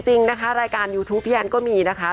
จริงนะคะรายการยูทูปพี่แอนก็มีนะคะ